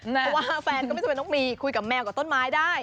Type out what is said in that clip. เพราะว่าแฟนก็ไม่จำเป็นต้องมีคุยกับแมวกับต้นไม้ได้